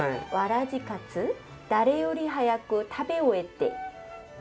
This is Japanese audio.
「わらじかつ誰より早く食べ終えて」。